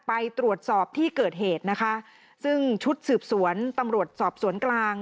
ไปตรวจสอบที่เกิดเหตุนะคะซึ่งชุดสืบสวนตำรวจสอบสวนกลาง